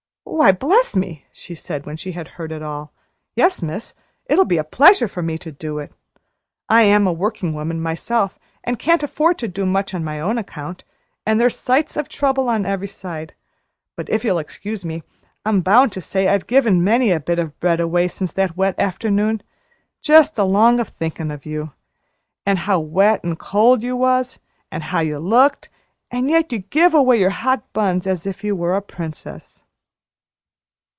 "Why, bless me!" she said, when she had heard it all. "Yes, miss, it'll be a pleasure to me to do it. I am a working woman, myself, and can't afford to do much on my own account, and there's sights of trouble on every side; but if you'll excuse me, I'm bound to say I've given many a bit of bread away since that wet afternoon, just along o' thinkin' of you. An' how wet an' cold you was, an' how you looked, an' yet you give away your hot buns as if you was a princess."